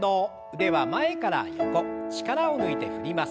腕は前から横力を抜いて振ります。